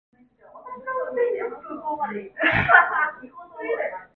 Элеккесә кешеләргә изгелек ҡылыуын дауам иткән.